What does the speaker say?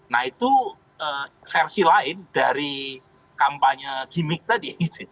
nah itu versi lain dari kampanye gimmick tadi